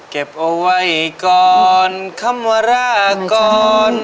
เก็บเอาไว้ก่อนคำว่ารากร